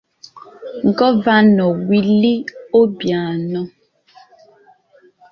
Gọvanọ Willie Obianọ